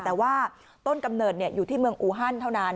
แต่ว่าต้นกำเนิดอยู่ที่เมืองอูฮันเท่านั้น